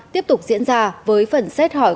tiếp tục diễn ra với phần xét hỏi